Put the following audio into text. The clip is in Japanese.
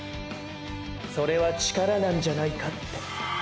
それは“力”なんじゃないかって。